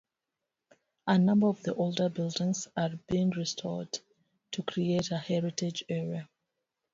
A number of the older buildings are being restored to create a heritage area.